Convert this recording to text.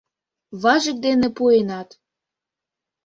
Важык дене пуэнат